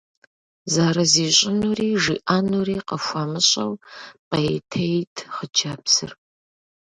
Зэрызищӏынури жиӏэнури къыхуэмыщӏэу, пӏейтейт хъыджэбзыр.